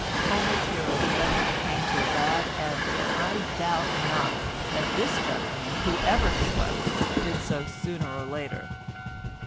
Homer's heroes generally came to a bad end, and I doubt not that this gentleman, whoever he was, did so sooner or later.